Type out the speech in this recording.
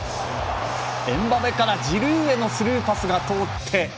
エムバペからジルーへのスルーパスが通って。